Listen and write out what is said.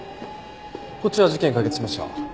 こっちは事件解決しました。